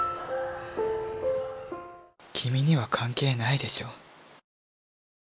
君には関係ないでしょ。